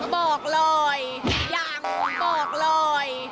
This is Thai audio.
บอกเลยอย่าอาหุ้มบอกเลย